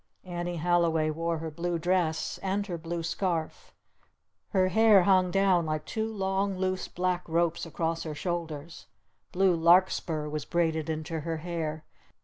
Annie Halliway wore her blue dress! And her blue scarf! Her hair hung down like two long, loose black ropes across her shoulders! Blue Larkspur was braided into her hair!